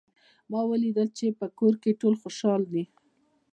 ما ولیدل چې په کور کې ټول خوشحال دي